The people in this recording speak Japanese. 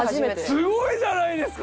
すごいじゃないですか！